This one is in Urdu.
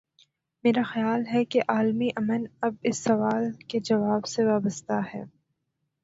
میرا خیال ہے کہ عالمی ا من اب اس سوال کے جواب سے وابستہ ہے۔